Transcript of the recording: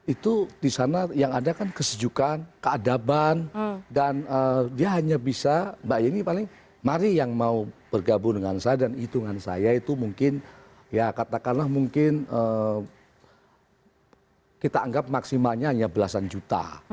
itu di sana yang ada kan kesejukan keadaban dan dia hanya bisa mbak yeni paling mari yang mau bergabung dengan saya dan hitungan saya itu mungkin ya katakanlah mungkin kita anggap maksimalnya hanya belasan juta